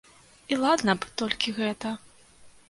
І ладна б толькі гэта.